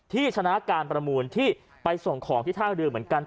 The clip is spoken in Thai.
ที่ชนะการประมูลที่ไปส่งของที่ท่าเรือเหมือนกัน